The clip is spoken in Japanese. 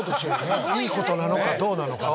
いいことなのかどうか。